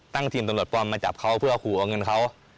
ทีมตำรวจปลอมมาจับเขาเพื่อขู่เอาเงินเขา